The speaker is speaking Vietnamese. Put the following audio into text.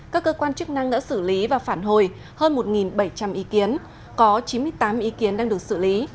các cơ quan chức năng đã xử lý và phản hồi hơn một bảy trăm linh ý kiến có chín mươi tám ý kiến đang được xử lý